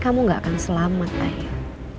kamu gak akan selamat ayah